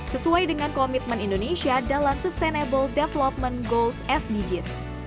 sesuai dengan komitmen indonesia dalam sustainable development goals sdgs